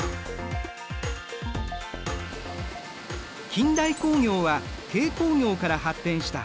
近代工業は軽工業から発展した。